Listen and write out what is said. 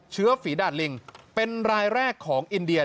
เชื้อฝีด่านลิงเป็นรายแรกของอินเดีย